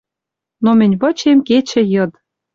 Но мӹнь вычем кечӹ-йыд».